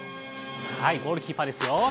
ゴールキーパーですよ。